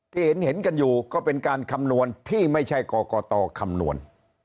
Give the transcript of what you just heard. ที่เห็นกันอยู่ก็เป็นการคำนวณที่ไม่ใช่กรกตคำนวณ